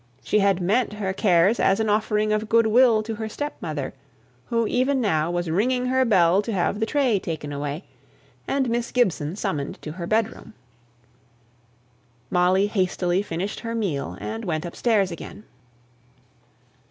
She had meant her cares as an offering of good will to her stepmother, who even now was ringing her bell to have the tray taken away, and Miss Gibson summoned to her bedroom. Molly hastily finished her meal, and went upstairs again.